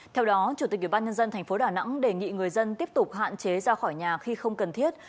theo đó chủ tịch ủy ban nhân dân tp đà nẵng đề nghị người dân tiếp tục hạn chế ra khỏi nhà khi không cần thiết